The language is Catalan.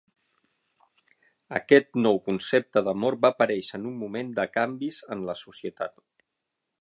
Aquest nou concepte d'amor va aparèixer en un moment de canvis en la societat.